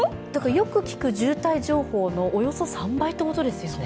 よく聞く渋滞情報のおよそ３倍ってことですよね。